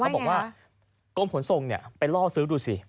เขาบอกว่ากรมขนส่งนี่ไปล่อซื้อดูซิ